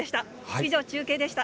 以上、中継でした。